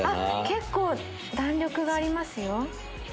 結構弾力がありますよ。